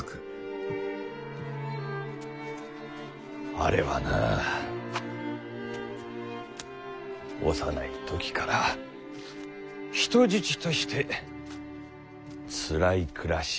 あれはなぁ幼い時から人質としてつらい暮らしを強いられてきた。